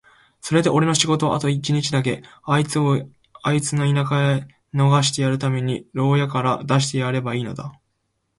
それでおれの仕事はあと一日だけ、あいつをあいつの田舎へ逃してやるために牢屋から出してやればいいのだ。